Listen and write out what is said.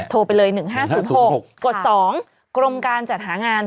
โทรไปเลย๑๕๐๖กฎ๒กรมการจัดหางาน